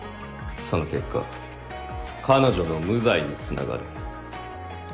その結果彼女の無罪に繋がる。